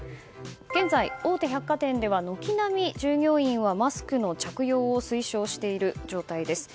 現在、大手百貨店では軒並み従業員はマスクの着用を推奨している状態です。